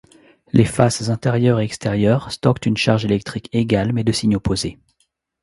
Les faces intérieures et extérieures stockent une charge électrique égale mais de signe opposé.